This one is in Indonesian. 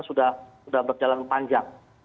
sudah berjalan panjang